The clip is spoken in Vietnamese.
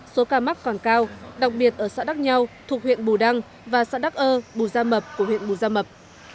số ca mắc còn cao đặc biệt ở xã đắc nhau thuộc huyện bù đăng và xã đắc ơ bù gia mập của huyện bù gia mập